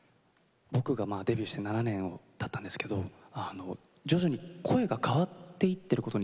僕がデビューして７年たったんですけど徐々に声が変わっていってることに気付いたんですね。